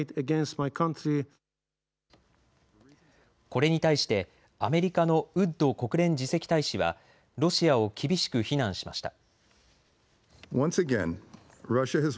これに対してアメリカのウッド国連次席大使はロシアを厳しく非難しました。